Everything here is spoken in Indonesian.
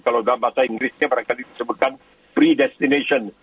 kalau dalam bahasa inggrisnya mereka disebutkan predestination